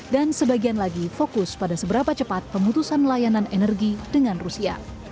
dan sebagian lagi fokus pada seberapa cepat pemutusan layanan energi dengan rusia